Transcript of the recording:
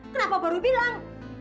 kenapa baru bilang